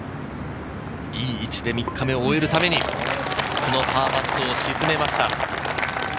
いい位置で３日目を終えるために、このパーパットを沈めました。